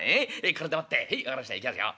これでもってへい分かりましたいきますよ。ね？